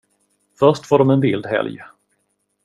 Först får de en vild helg.